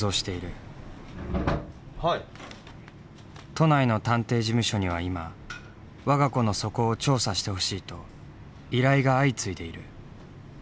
都内の探偵事務所には今わが子の素行を調査してほしいと依頼が相次いでいる。